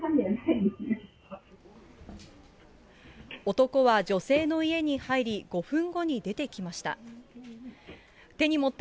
男は女性の家に入り、５分後に出てきました。